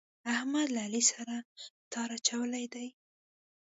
احمد له علي سره تار اچولی دی.